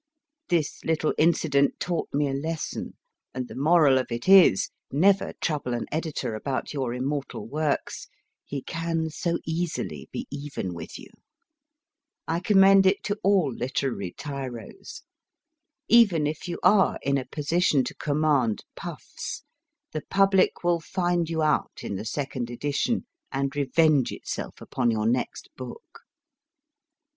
This little incident taught me a lesson, and the moral of it is : never trouble an editor about your immortal works ; he can so easily be even with you. I commend it to all literary tiros. Even if you are in a position to command puffs, the public will find you out in the second edition, and revenge itself upon your next book.